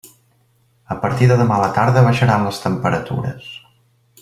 A partir de demà a la tarda baixaran les temperatures.